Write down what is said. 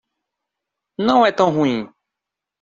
Não é tão ruim.